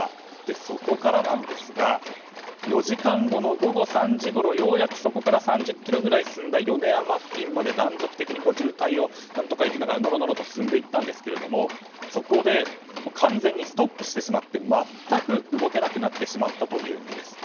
そこからなんですが４時間後の午後３時ごろようやくそこから３０ｋｍぐらい進んだ米山付近まで断続的に渋滞を行きながら、何とかのろのろと進んでいったんですがそこで完全にストップして全く動けなくなってしまったというんです。